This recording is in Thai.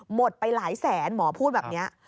หมดไปหลายแสนหมอพูดแบบนี้